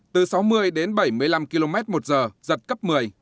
gần bảy mươi năm km một giờ giật cấp một mươi